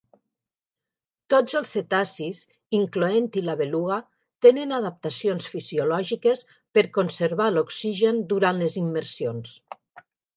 Tots els cetacis, incloent-hi la beluga, tenen adaptacions fisiològiques per conservar l'oxigen durant les immersions.